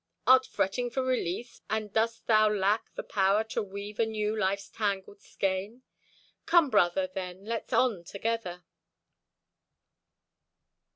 Art fretting for release, and dost thou lack The power to weave anew life's tangled skein? Come, Brother, then let's on together.